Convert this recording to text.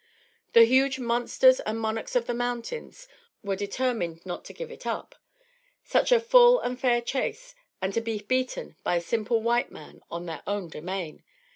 The huge monsters and monarchs of the mountains were determined not to give it up so. Such a full and fair chase and to be beaten by a simple white man on their own domain!